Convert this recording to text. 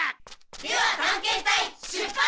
では探検隊出発！